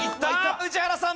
宇治原さん